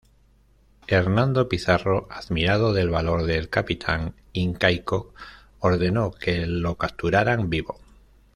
Hernando Pizarro, admirado del valor del capitán incaico ordenó que lo capturaran vivo.